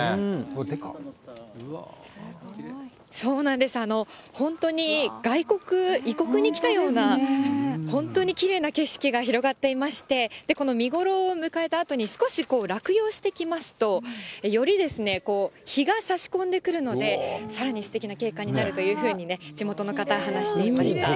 そうなんです、本当に外国、異国に来たような、本当にきれいな景色が広がっていまして、この見頃を迎えたあとに、少し落葉してきますと、より日がさし込んでくるので、さらにすてきな景観になるというふうにね、地元の方、話していました。